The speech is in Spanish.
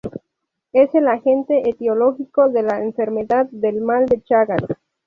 Es el agente etiológico de la enfermedad del mal de chagas.